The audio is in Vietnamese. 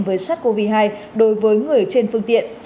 với sars cov hai đối với người trên phương tiện